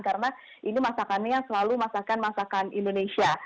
karena ini masakannya selalu masakan masakan indonesia